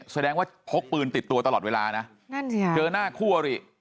แสดงว่าพกปืนติดตัวตลอดเวลานะนั่นสิค่ะเจอหน้าคู่อริ